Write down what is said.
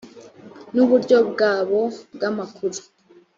n uburyo bwabo bw amakuru